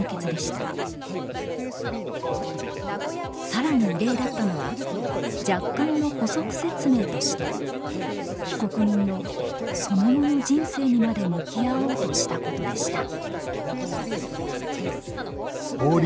更に異例だったのは「若干の補足説明」として被告人のその後の人生にまで向き合おうとしたことでした。